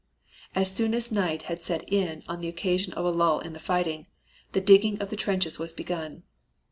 As soon as night had set in on the occasion of a lull in the fighting, the digging of the trenches was begun.